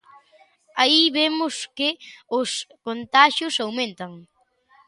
Aí vemos que os contaxios aumentan.